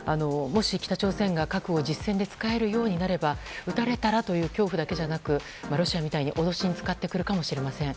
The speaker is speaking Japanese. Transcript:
もし北朝鮮が核を実戦で使えるようになれば撃たれたらという恐怖だけじゃなくてロシアみたいに脅しに使ってくるかもしれません。